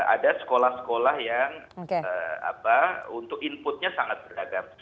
ada sekolah sekolah yang untuk inputnya sangat beragam